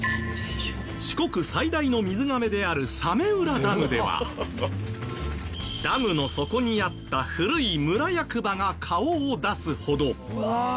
四国最大の水がめである早明浦ダムではダムの底にあった古い村役場が顔を出すほど。